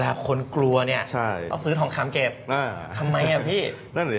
ว่าคนกลัวเนี่ยต้องซื้อทองคำเก็บทำไมน่ะพี่